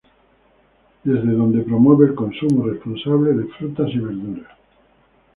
Desde donde promueve el consumo responsable de frutas y verduras.